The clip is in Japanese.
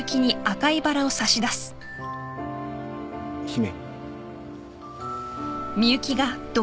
姫。